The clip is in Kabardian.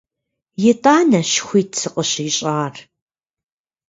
ИтӀанэщ хуит сыкъыщищӀар.